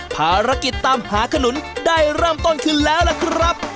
ภารกิจตามหาขนุนได้เริ่มต้นขึ้นแล้วล่ะครับ